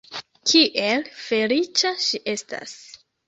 Kiel feliĉa ŝi estas!